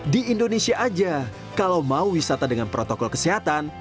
di indonesia aja kalau mau wisata dengan protokol kesehatan